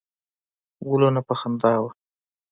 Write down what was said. ګلونه په خندا وه.